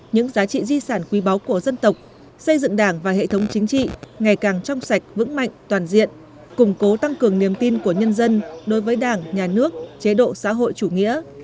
những giá trị di sản quý báu của dân tộc xây dựng đảng và hệ thống chính trị ngày càng trong sạch vững mạnh toàn diện củng cố tăng cường niềm tin của nhân dân đối với đảng nhà nước chế độ xã hội chủ nghĩa